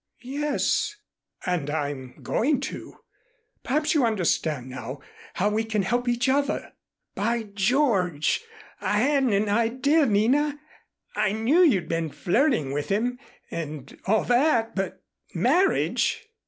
"Yes and I'm going to. Perhaps you understand now how we can help each other." "By George! I hadn't an idea, Nina. I knew you'd been flirting with him and all that but marriage!"